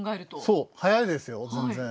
そう早いですよ全然。